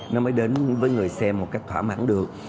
nó mới đến với người xem một cách thỏa mãn được